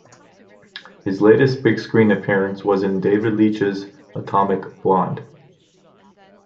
His latest big screen appearance was in David Leitch's "Atomic Blonde".